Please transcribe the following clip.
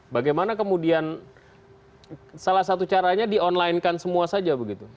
bagaimana kemudian salah satu caranya di online kan semua saja begitu